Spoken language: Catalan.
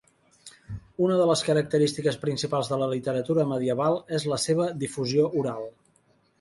Una de les característiques principals de la literatura medieval és la seva difusió oral.